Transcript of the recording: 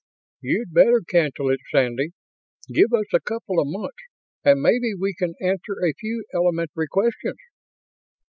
"You'd better cancel it, Sandy. Give us a couple of months, and maybe we can answer a few elementary questions."